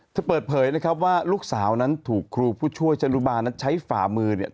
เปิดเผยนะครับว่าลูกสาวนั้นถูกครูผู้ช่วยจรุบาลนั้นใช้ฝ่ามือเนี่ย